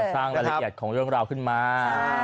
สร้างรายละเอียดของเรื่องราวขึ้นมา